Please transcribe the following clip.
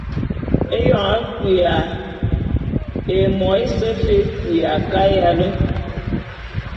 Eyoñ a kuya, émo ése fe é kuya kayale.